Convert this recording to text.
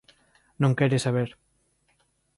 Non quere saber.